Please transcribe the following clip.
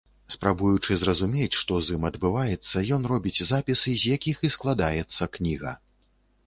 Спрабуючы зразумець, што з ім адбываецца, ён робіць запісы, з якіх і складаецца кніга.